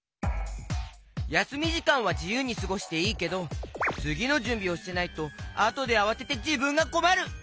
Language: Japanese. やすみじかんはじゆうにすごしていいけどつぎのじゅんびをしてないとあとであわててじぶんがこまる！